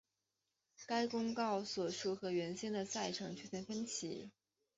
该公告所述和原先的赛程出现分歧。